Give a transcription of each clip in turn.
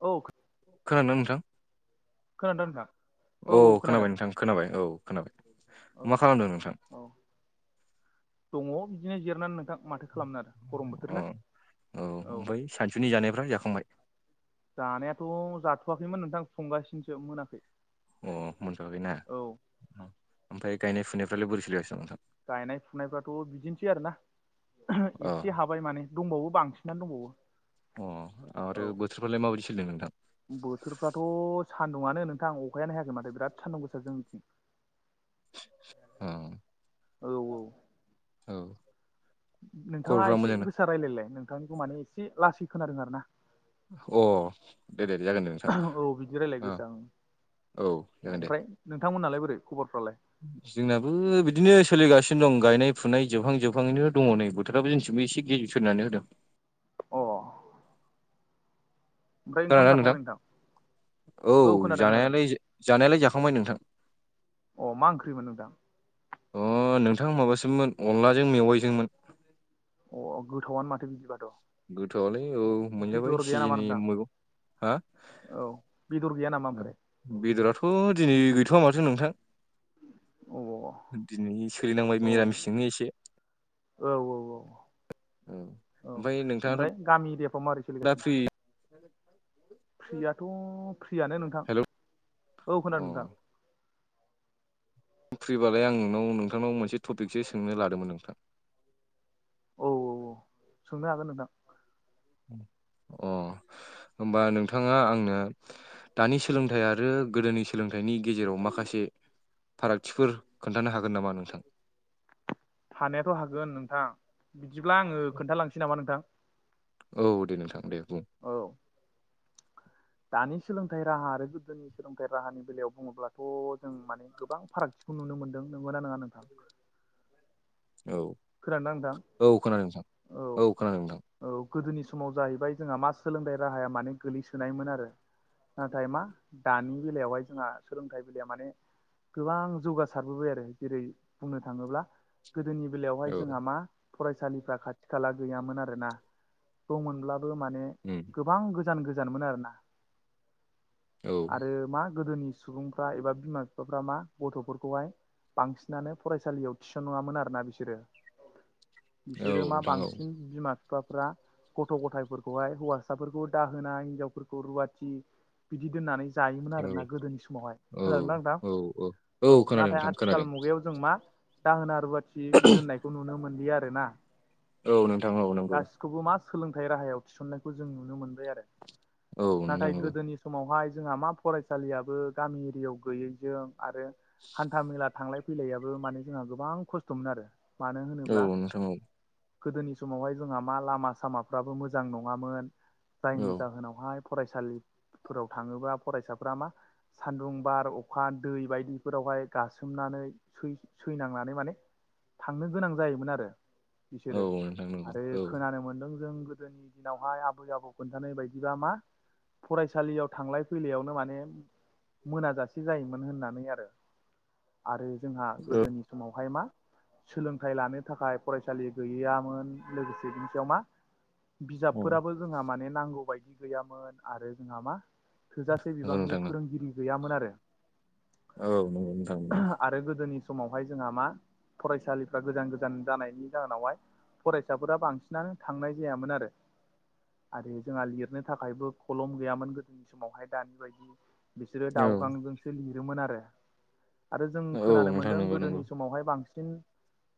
औ खोनादों नोंथां खोनादोंना नोंथां? औ खोनाबाय नोंथां खोनाबाय औ खोनाबाय औ मा खालामदों नोंथां? औ दङ बिदिनो जिरनानै नोंथां माथो खालामनो आरो गरम बोथोर अ ना औ सानसुनि जानायफ्रा जाखांबाय? जानायाथ' जाथ'वाखैमोन नोंथां संगासिनोसो मोनाखै अ मोनथ'वाखैना औ ओमफ्राय गायनाय फुनायफ्रालाय बोरै सोलिगासिनो नोंथां गायनाय फुनायफ्राथ' बिदिनोसै आरोना अ एसे हाब बाय माने दंबावो बांसिनानो दंबावो अ औ आरो बोथोरफ्रालाय माबायदि सोलिदों नोंथां? बोथोरफ्राथ' सान्दुङानो नोंथां अखायानो हायाखै माथो बिराद सान्दुं गोसा जोंनिथिं अ औ औ औ नोंथाङा खबरफ्रा एसे मोजांना? गोसा रायलायलाय नोंथांनिखौ माने एसे लासै खोनादों आरो ना। अ दे दे दे जागोन दे नोंथां औ बिदि रायलाय गोसा औ जागोन दे। नोंथांमोनहालाय बोरै खबरफ्रालाय जोंनाबो बिदिनो सोलिगासिनो दं गायनाय फुनाय जोबहां जोबहांयैनो दङ नै। फोथाराबो जोंथिंबो एसे गिर सोरनानै होदों। अ ओमफ्राय ओंखाम खोनादोंना नोंथां जाखांबाय औ खोनादों खोनादों जानायालाय जानायालाय जाखांबाय नोंथां। अ मा ओंख्रिमोन नोंथां? अ नोंथां माबासोममोन अनलाजों मेवाइजोंमोन। अ गोथावआनो माथो बिदिबाथ' गोथावलै औ बेदर मोनजाबाय गैया नामा सिजननि नोंथां मैगं हा औ बेदर गैया नामा ओमफ्राय? बेदराथ' दिनै गैथ'वा माथो नोंथां। औ दिनै सोलिनांबाय औ मिरामिस जोंनो एसे औ औ औ औ औ ओमफ्राय गामि एरियाफ्राव माबारै दाफि फ्रियाथ' फ्रियानो नोंथां औ अ खोनादों नोंथां। फ्रिबालाय आं नोंनाव नोंथांनाव मोनसे टपिकसो सोंनो लादोंमोन नोंथां। औ औ सोंनो हागोन नोंथां। अ होमबा नोंथाङा आंनो। दानि सोलोंथाइ आरो गोदोनि सोलोंथाइनि गेजेराव माखासे फारागथिफोर खोन्थानो हागोन नामा नोंथां? हाथ' हागोन नोंथां बिदिब्ला आङो खोन्थालांसै नामा नोंथां? औ दे नोंथां दे बुं औ। दानि सोलोंथाइ राहा आरो गोदोनि सोलोंथाइ राहानि बेलायाव बुङोब्लाथ' जों माने गोबां फारागथि खौ नुनो मोनदों नों मोना नङा नोंथां। औ खोनादोंना नोंथां औ खोनादों नोंथां औ खोनादों नोंथां। औ गोदोनि समाव जाहैबाय जोंहा मा सोलोंथाइ राहाया माने गोग्लैसोनायमोन आरो नाथाय मा दानि बेलायावहाय जोंहा सोलोंथाइ बेलाया माने गोबां जौगासारबोबाय आरो जेरै बुंनो थाङोब्ला गोदोनि बेलायाव औ जोंहा मा फरायसालिफ्रा खाथि खाला गैयामोन आरोोना द'मोनब्लाबो माने उम। गोबां गोजान गोजानमोन आरोना औ आरो मा गोदोनि सुबुंफ्रा एबा बिमा बिफाफ्रा मा गथ'फोरखौहाय बांसिनानो फरायसालियाव थिसन नङामोन आरोना बिसोरो औ बिसोरो मा नोंथां औ बांसिन बिमा बिफाफ्रा गथ' गथायफोरखौहाय हौवासाफोरखौ दाहोनाय हिनजावफोरखौ रुवाथि बिदि दोननानै जायोमोन औ आरोना गोदोनि समावहाय खोनादों ना नोंथां? औ औ खोनादों नाथाय नोंथां खोनादों आथिखाल मुगायाव जों मा दाहोना रुवाथि दोननायखौ नुनो मोनलिया आरो ना। औ नोंथां औ नंगौ। बे खौबो मा सोलोंथाइ राहायाव थिसननायखौ जों नुनो मोनबाय आरो। औ नोंथां नाथाय औ गोदोनि समावहाय जोंहा मा फरायसालियाबो गामि एरियायाव गैयैजों आरो हान्था मेला थांलाय फैलायाबो माने जोंहा गोबां खस्थ'मोन आरो। मानो औ होनोब्ला नोंथां औ गोदोनि समावहाय जोंहा मा लामा सामाफ्राबो मोजां नङामोन। जायनि औ जाहोनावहाय फरायसालिफोराव थाङोबा फरायसाफ्रा मा सान्दुं बार अखा दै बायदिफोरावहाय गासोमनानै सै सैनांनानै माने थांनो गोनां जायोमोन आरो। औ बिसोरो नोंथां नंगौ आरो औ खोनानो मोनदों जों गोदोनि दिनावहाय आबै आबौ खोन्थानाय बायदिबा मा फरायसालियाव थांलाय फैलायावनो माने मोनाजासे जायोमोन होननानै आरो आरो जोंहा औ गोदोनि समावहाय मा सोलोंथाइ लानो थाखाय फरायसालि गैयामोन लोगोसे बिनि सायाव मा औ बिजाबफोराबो जोंहा माने नांगौ बायदि गैयामोन आरो जोंहा मा थोजासे नंगौ बिबांनि नोंथां नंगौ फोरोंगिरि गैयामोन आरो औ नंगौ नोंथां नंगौ आरो गोदोनि समावहाय जोंहा मा फरायसालिफ्रा गोजान गोजान जानायनि जाहोनावहाय फरायसाफोरा बांसिनानो थांनाय जायामोन आरो आरो जोंहा लिरनो थाखायबो खलम गैयामोन गोदोनि समावहाय दानि बायदि बिसोरो औ दाउगांजों सो लिरोमोन आरो आरो जों औ खोनानो नोंथां मोनदों नंगौ गोदोनि नंगौ समावहाय बांसिन। बांसिन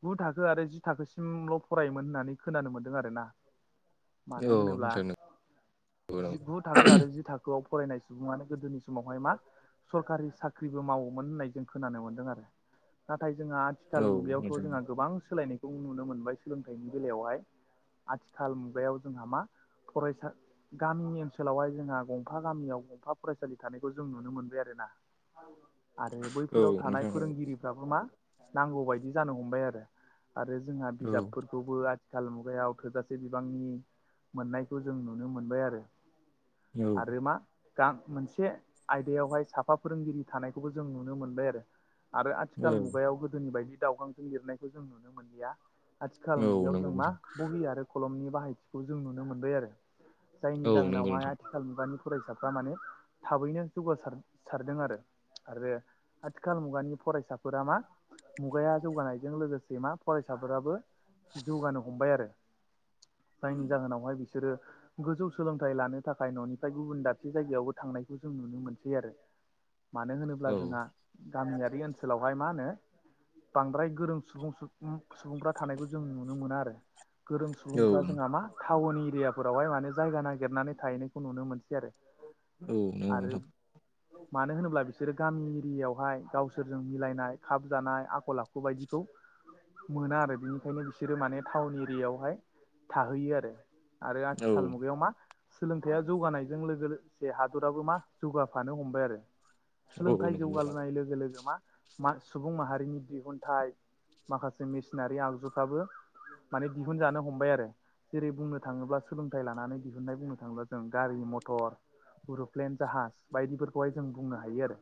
गु थाखो आरो जि थाखोसिमल' फरायोमोन होननानै खोनानो मोन्दों आरो ना। [inaudible] मानो होनोब्ला नोंथां नंगौ औ नोंथां औ नोंथां औ जिगु थाखो आरो जि थाखोआव फरायनाय सुबुङानो गोदोनि समावहाय मा? सरखारि साख्रिबो मावोमोन होननाय जों खोनानो मोनदों आरो नाथाय जोंहा आथिखाल मुगायावथ' जोंहा गोबां सोलायनाय खौ नुनो मोनबाय सोलोंथाइनि बेलायावहाय आथिखाल मुगायाव जोंहा मा फरायसा गामिनि ओनसोलावहाय जोंहा गंफा गामियाव गंफा फरायसालि थानायखौ जों नुनो मोनबाय आरो ना। आरो बैफोराव थानाय फोरोंगिरिफ्राबो मा नांगौ बायदि जानो हमबाय आरो। आरो जोंहा औ बिजाबफोर बे खौबो आथिखाल मुगायाव थोजासे बिबांनि मोननायखौ जों नुनो मोनबाय आरो। आरो मा? गां मोनसे आयदायावहाय साफा फोरोंगिरि थानायखौबो जों नुनो मोनबाय आरो। आरो आथिखाल मुगायाव गोदोनि बायदि दाउगांजों लिरनायखौ जों नुनो मोनलिया। आथिखाल औ औ मुगायाव नंगौ जों मा नोंथां बहि आरो खलमनि बाहायथिखौ जों नुनो मोनबाय आरो। जायनि औ नंगौ जाहोनावहाय नोंथां आथिखाल मुगानि फरायसाफ्रा माने थाबैनो जौगासारसारदों आरो। आरो आथिखाल मुगानि फरायसाफोरा मा? मुगाया जौगानायजों लोगोसे मा फरायसाफोराबो जौगानो हमबाय आरो। जायनि जाहोनावहाय बिसोरो गोजौ सोलोंथाइ लानो थाखाय न'निफ्राय गुबुन दाबसे जायगायावबो थांनायखौ जों नुनो मोनसै आरो। मानो होनोब्ला औ जोंहा गामियारि ओनसोलावहाय मा होनो? बांद्राय गोरों सुबुं सुबुंफ्रा थानायखौ जों नुनो मोना आरो। गोरों औ औ सुबुंफ्रा जोंहा मा टाउन एरियाफोरावहाय माने जायगा नागिरनानै थाहैनायखौ नुनो मोनसै आरो नंगौ आरो नोंथां मानो होनोब्ला बिसोरो गामि एरियायावहाय गावसोरजों मिलायनाय खाब जानाय आखल आखु बायदिखौ मोना आरो बिनिखायनो बिसोरो माने टाउन एरियायावहाय थाहैयो आरो आरो औ साल मुगायाव मा सोलोंथायाइया जौगानायजों लोगोसे हादराबो मा जौगाफानो हमबाय आरो। औ सोलोंथाइ नंगौ नोंथां जौगालोनाय लोगो लोगो मा? सुबुं माहारिनि दिहुनथाइ माखासे मेसिनारि आगजुफ्राबो माने दिहुनजानो हमबाय आरो जेरै बुंनो थाङोब्ला सोलोंथाइ लानानै दिहुननाय बुंनो थाङोब्ला जों गारि मथर गुरुप्लेन जाहाज बायदिफोरखौहाय जों बुंनो हायो आरो।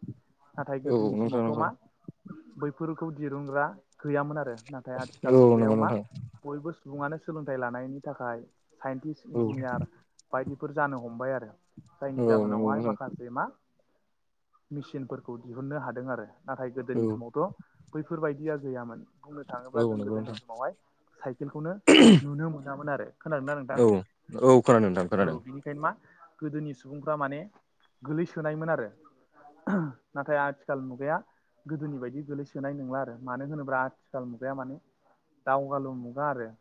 नाथाय गोदोनि औ नोंथां समावथ' मा नंगौ बैफोरखौ दिरुनग्रा गैयामोन आरो। नाथाय आथिखाल औ नंगौ मुगायाव मा नोंथां बयबो सुबुङानो सोलोंथाइ लानायनि थाखाय साइन्टिस्ट औ इन्जिनियार बायदिफोर जानो हमबाय आरो। जायनि औ नंगौ जाहोनावहाय नोंथां माखासे मा? मेचिनफोरखौ दिहुननो हादों आरो नाथाय औ गोदोनि समावथ' बैफोरबायदिया गैयामोन। बुंनो औ थाङोब्ला जों नंगौ गोदोनि नोंथां। समावहाय साइकेलखौनो नुनो मोनामोन आरो खोनादोंना औ नोंथां? औ खोनादों नोंथां खोनादों। खायनो मा गोदोनि सुबुंफ्रा माने गोलैसोनायमोन आरो। नाथाय आथिखाल मुगाया गोदोनि बायदि गोलैसोनाय नंला आरो मानो होनोब्ला आथिखाल मुगाया माने दावगालु मुगा आरो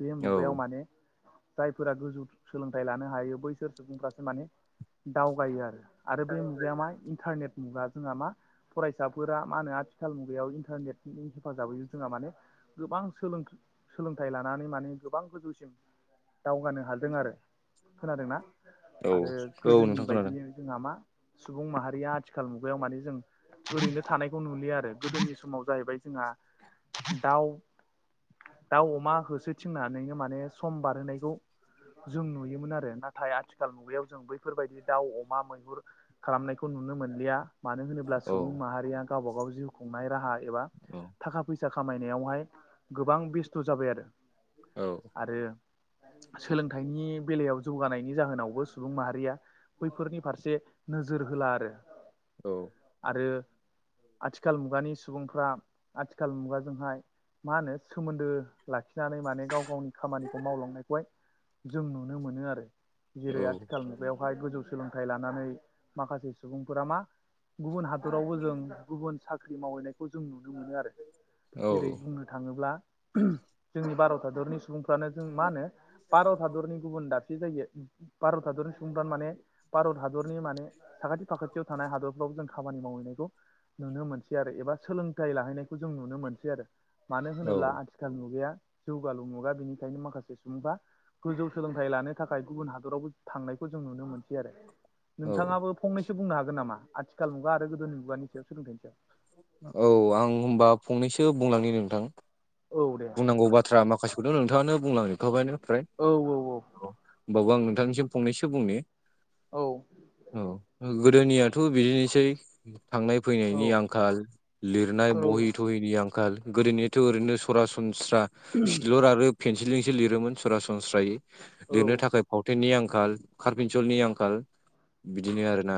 बे औ मुगायाव माने जायफोरा गोजौ सोलोंथाइ लानो हायो बैसोर सुबुंफ्रासो माने दावगायो आरो आरो बे मुगाया मा इन्टारनेट मुगा जोंहा मा? फरायसाफोरा मा होनो आथिखाल मुगायाव इन्टारनेटनि हेफाजाबैयो जोंहा माने गोबां सोलों सोलोंथाइ लानानै माने गोबां गोजौसिम दावगानो हादों आरो खोनादोंना औ आरो औ गोदोनि नोंथां खोनादों बायदि जोंहा मा सुबुं माहारिया आथिखाल मुगायाव माने जों ओरैनो थानायखौ नुलियो आरो गोदोनि समाव जाहैबाय जोंहा दाउ दाउ अमा होसो थिंनानैनो माने सम बारहोनाय जों नुयोमोन आरो नाथाय आथिखाल मुुबायाव जों बैफोरबायदि दाउ, अमा, ‌मैहुर खालामनायखौ नुनो मोनलिया। मानो होनोब्ला औ सुबुं माहारिया गावबा गाव जिउ खुंनाय राहा एबा औ थाखा फैसा फैसा खामायनायावहाय गोबां बेस्थ' जाबाय आरो। औ आरो सोलोंथाइनि बेलायाव जौगानायनि जाहोनावबो सुबुं माहारिया बैफोरनि फारसे नोजोर होला आरो औ आरो आथिखाल मुगानि सुबुंफ्रा आथिखाल मुगाजोंहाय मा होनो सोमोन्दो लाखिनानै माने गाव गावनि खामानिखौ मावलांनाय खौहाय जों नुनो मोनो आरो। औ जेरै आथिखालनि बेवहाय गोजौ सोलोंथाइ लानानै माखासे सुबुंफोरा मा गुबुन हादरावबो जों गुबुन साख्रि मावहैनाय खौ जों नुनो मोनो आरो जेरै बुंनो थाङोब्ला जोंनि भारत हादरनि सुबुं फानो जों मा होनो भारत हादरनि गुबुन दाबसे जायो भारत हादरनि सुबुंफ्रानो माने भारत हादरनि माने साखाथि फाखाथियाव थानाय हादरफ्राव जों खामानि मावहैनायखौ नुनो मोनसै आरो एबा सोलोंथाइ लाहैनायखौ जों नुनो मोनसै आरो। मानो औ होनोब्ला आथिखाल मुगाया जौगालु मुगा बेनिखायनो माखासे जबा गोजौ सोलोंथाइ लानो थाखाय गुबुन हादरावबो थांनायखौ जों नुनो मोनसै आरो। नोंथाङाबो फंनैसो बुंनो हागोन नामा आथिखाल मुगा आरो गोदोनि मुगानि सायाव सोलोंथाइनि सायाव? औ आं हबा फंनैसो बुंलांनो नोंथां। औ दे नांगौ बाथ्रा माखासेखौ दं नोंथाङआानो बुंलांजोबखाबाय फ्राय। औ औ औ औ होनोमबावो आं नोंथांनिसिम फंनैसो बुंनि औ औ गोदोनियाथ' बिदिनोसै थांनाय फैनायनि औ आंखाल लिरनाय बहि थहिनि आंखाल गोदोनिथ' ओरैनो सरासनस्रा सिलर आरो पेेनसिलिजोंसो लिरोमोन सरासनस्रायै औ लिरनो औ थाखाय फावथेननि आंखाल कारपिनसलनि आंखाल बिदिनो आरोना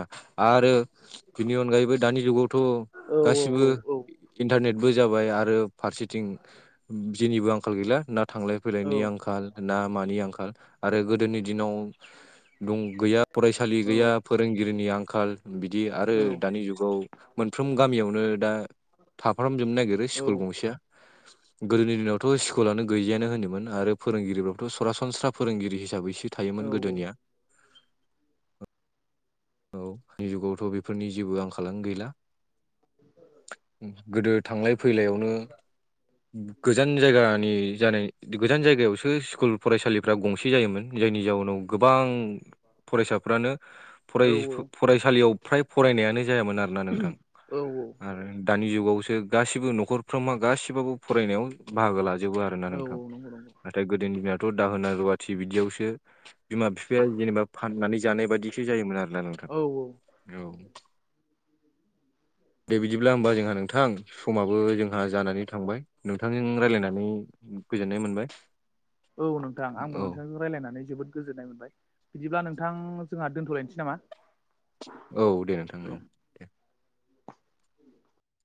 आरो बिनि अनगायैबो दानि जुगावथ' औ औ गासिबो औ इन्टारनेटबो जाबाय आरो फारसेथिं जेनिबो आंखाल गैला ना थांलाय औ फैलायनि आंखाल ना मानि आंखाल आरो गोदोनि दिनाव दं। गैया फरायसालि औ गैया फोरोंगिरिनि आंखाल बिदि आरो औ दानि जुगाव मोनफ्रोम गामियावनो दा थाफामजोबनो नागिरो औ स्कुल गंसेया गोदोनि दिनावथ' स्कुलानो गैजायानो होनोमोन आरो फोरोंगिरिफ्रावथ' सरासनस्रा फोरोंगिरि हिसाबैसो थायोमोन गोदोनिया औ आानि जुगावथ' बेफोरनि जेबो आंखाल गैला। गोदो थांलाय फैलायावनो गोजान जायगानि जानाय गोजान जायगायावसो स्कुल फरायसालिफ्रा गंसे जायोमोन जायनि जाउनाव गोबां फरायसाफ्रानो औ फ फरायसालियाव फ्राय फरायनायानो जायामोन आरोना नोंथां औ आरो दानि जुगावसो गासिबो न'खरफ्रोमा गासिबाबबो फरायनायाव बाहागो लाजोबो आरोना नोंथां नंगौ नंगौ नाथाय गोदोनि दिमायथ' दाहोना रुवाथि बिदियावसो बिमा बिफाया जेनेबा फाननानै जानाय बायदिसो जायोमोन आरो ना नों औ औ औ दे बिदिब्ला होमबा जोंहा नोंथां समाबो जोंहा जानानै थांबाय नोंथांजों रायज्लायनानै गोजोननाय मोनबाय। औ नोंथां आंबो औ नोंथांखौ रायलायनानै जोबोद गोजोननाय मोनबाय बिदिब्ला नोंथां जोंहा दोनथ'लायनोसै नामा? औ दे नोंथां औ